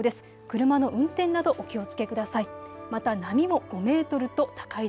車の運転などお気をつけください。